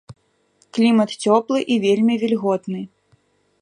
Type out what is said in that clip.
Клімат цёплы і вельмі вільготны.